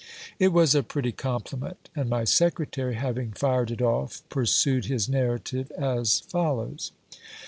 It was a pretty compliment ! and my secretary, having fired it off, pursued his narrative as follows.